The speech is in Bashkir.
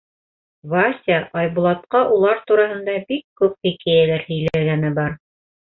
Вася Айбулатҡа улар тураһында күп хикәйәләр һөйләгәне бар.